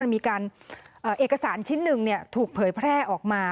มันมีการเอกสารชิ้นหนึ่งถูกเผยแพร่ออกมา